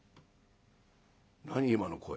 「何今の声。